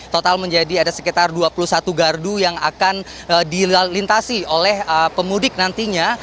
total menjadi ada sekitar dua puluh satu gardu yang akan dilintasi oleh pemudik nantinya